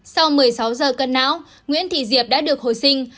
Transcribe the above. sau một mươi sáu giờ cân não nguyễn thị diệp đã được hồi sinh